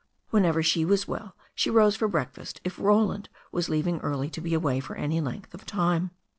Whenever she was well she rose for breakfast if Roland was leaving early to be away for any length of time.